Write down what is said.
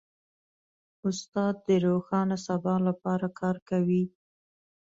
استاد د روښانه سبا لپاره کار کوي.